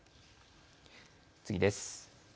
次です。